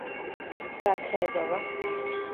কাছে আয়, বাবা!